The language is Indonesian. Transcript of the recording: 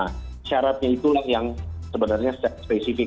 nah syaratnya itu yang sebenarnya spesifik